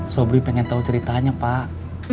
sobri pengen tahu ceritanya pak